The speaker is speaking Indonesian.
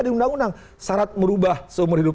di undang undang syarat merubah seumur hidup